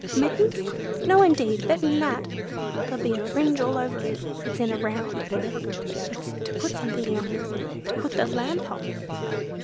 "Mittens? No, indeed! Better'n that! There'll be fringe all over it; it's in a round; it's to put something on, to put the lamp on!"